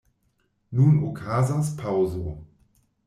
Nun okazas paŭzo.